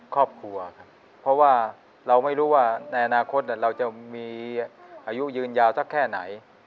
ครอบครัวครับเพราะว่าเราไม่รู้ว่าในอนาคตเราจะมีอายุยืนยาวสักแค่ไหน